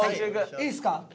いいっすか？